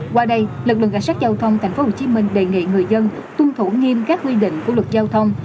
qua đây lực lượng cảnh sát giao thông tp hcm đề nghị người dân tuân thủ nghiêm các quy định của luật giao thông